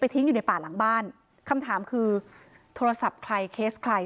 ทิ้งอยู่ในป่าหลังบ้านคำถามคือโทรศัพท์ใครเคสใคร